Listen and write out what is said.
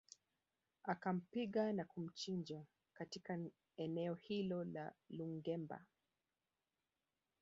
Akampiga na kumchinja katika eneo hilo la Lungemba